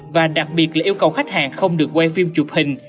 và đặc biệt là yêu cầu khách hàng không được quay phim chụp hình